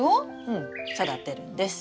うん育てるんです。